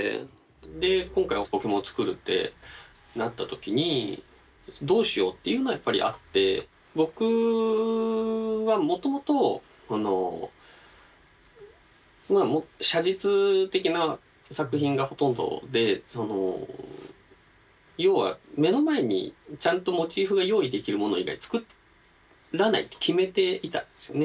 で今回はポケモン作るってなった時にどうしようっていうのはやっぱりあって僕はもともと写実的な作品がほとんどで要は目の前にちゃんとモチーフが用意できるもの以外作らないって決めていたんですよね。